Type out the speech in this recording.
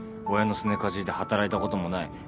親のすねかじりで働いたこともない。